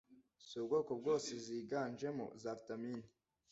z'ubwoko bwose ziganjemo Za vitamine,